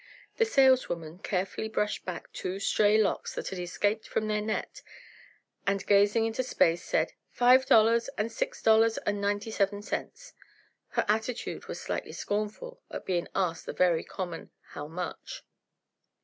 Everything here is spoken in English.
The saleswoman carefully brushed back two stray locks that had escaped from their net, and gazing into space said: "Five dollars and Six dollars and ninety seven cents." Her attitude was slightly scornful at being asked the very common "how much."